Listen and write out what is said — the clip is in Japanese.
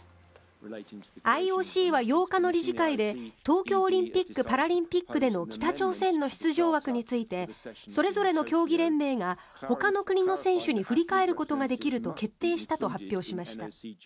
ＩＯＣは８日の理事会で東京オリンピック・パラリンピックでの北朝鮮の出場枠についてそれぞれの競技連盟がほかの国の選手に振り替えることができると決定したと発表しました。